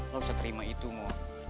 lo bisa terima itu mo